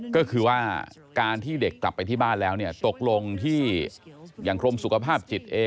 ก็คือว่าการที่เด็กกลับไปที่บ้านแล้วเนี่ยตกลงที่อย่างกรมสุขภาพจิตเอง